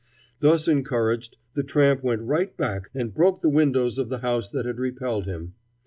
Thus encouraged, the tramp went right back and broke the windows of the house that had repelled him.